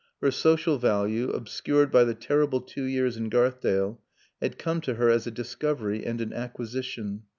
Her social value, obscured by the terrible two years in Garthdale, had come to her as a discovery and an acquisition.